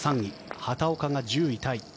畑岡が１０位タイ。